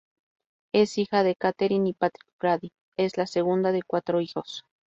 Es hija de Catherine y Patrick Brady, es la segunda de cuatro hijos.